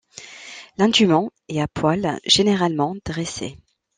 L'indument est à poils généralement dressés.